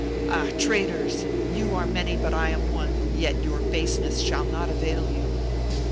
"Ah, traitors! you are many and I am but one, yet your baseness shall not avail you."